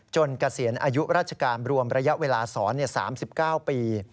เกษียณอายุราชการรวมระยะเวลาสอน๓๙ปี